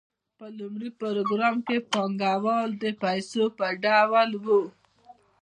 په لومړي پړاو کې پانګه د پیسو په ډول وه